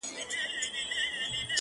هر څوک د خپل ضمير سره يو څه جګړه لري,